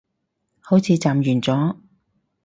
好似暫完咗